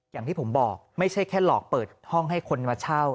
อย่างที่ผมบอกไม่ใช่แค่หลอกเปิดห้องให้คนมาเช่า